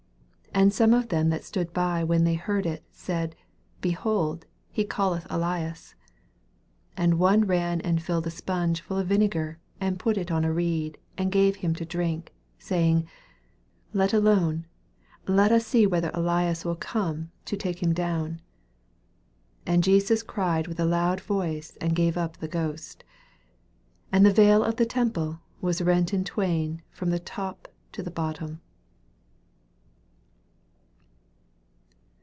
35 And some of them that stood by, when they heard it, said, Behold, he calleth Elias. 36 And one ran and filled a spunge full of vinegar, and put it on a reed, and gave him to dnnk, saying, Let alone ; Jet us see whether Elias will come t take him down. 37 And Jesus cried with a loud voice, and gave up the ghost. 38 And the veil of the temple waa rent in twain from the top to the bottom.